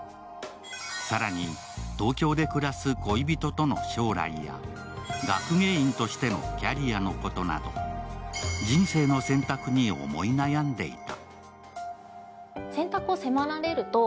更に、東京で暮らす恋人との将来や学芸員としてのキャリアのことなど人生の選択に思い悩んでいた。